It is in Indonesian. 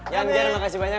yang ger makasih banyak ya